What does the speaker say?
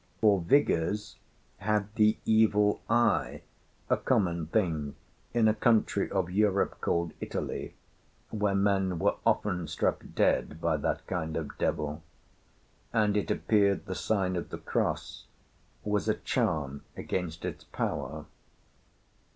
For Vigours had the Evil Eye, a common thing in a country of Europe called Italy, where men were often struck dead by that kind of devil, and it appeared the sign of the cross was a charm against its power.